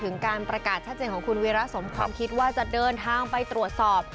การประกาศชัดเจนของคุณวีระสมความคิดว่าจะเดินทางไปตรวจสอบ